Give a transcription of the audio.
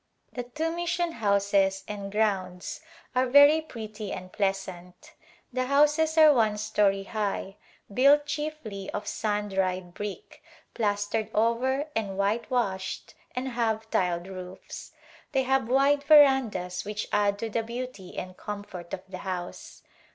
The two mission houses and grounds are very prettv and pleasant. The houses are one story high built chieflv of sun dried brick, plastered over and whitewashed and have tiled roofs. They have wide verandas which add to the beauty and comfort of the house.